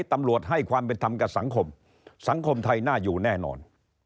ตำรวจให้ความเป็นธรรมกับสังคมสังคมไทยน่าอยู่แน่นอน